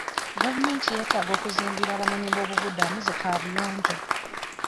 Gavumenti yetaaga okuzimbira abanoonyi b'obubudamu zi kaabuyonjo.